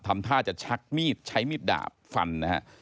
ทำท่าจะชักมีดใช้มีดดาบฟันนะฮะ